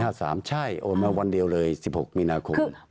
มันปี๑๙๕๓ใช่โอนมาวันเดียวเลย๑๖มีนาคม๑๙๕๓